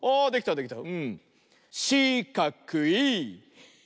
できたね。